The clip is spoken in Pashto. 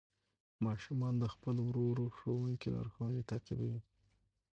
ماشومان د خپل ورو ورو ښوونکي لارښوونې تعقیبوي